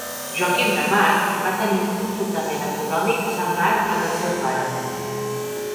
Joaquim de March va tenir un comportament econòmic semblant al del seu pare.